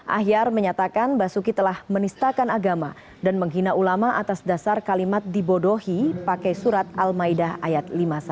ahyar menyatakan basuki telah menistakan agama dan menghina ulama atas dasar kalimat dibodohi pakai surat al maidah ayat lima puluh satu